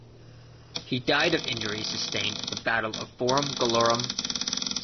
He died of injuries sustained at the Battle of Forum Gallorum.